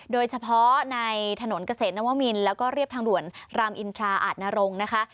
โดยเฉพาะในถนนเกษตรนวมินแล้วก็เรียบทางด่วนรามอินทราอาจนรงค์นะคะ